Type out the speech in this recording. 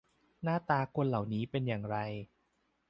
หน้าตาคนเหล่านี้เป็นอย่างไร